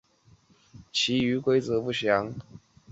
电鲇可以发出猫叫的声音。